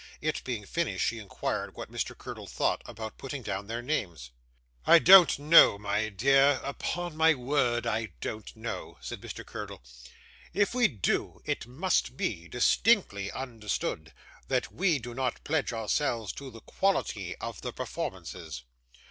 It being finished, she inquired what Mr. Curdle thought, about putting down their names. 'I don't know, my dear; upon my word I don't know,' said Mr. Curdle. 'If we do, it must be distinctly understood that we do not pledge ourselves to the quality of the performances.